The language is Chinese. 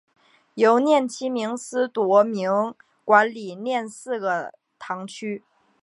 由廿七名司铎名管理廿四个堂区。